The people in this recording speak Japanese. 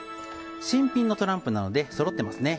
新品のトランプですのでそろっていますね。